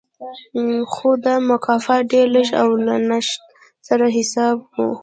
خو دا مکافات ډېر لږ او له نشت سره حساب و